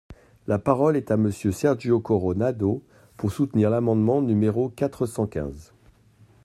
La parole est à Monsieur Sergio Coronado, pour soutenir l’amendement numéro quatre cent quinze.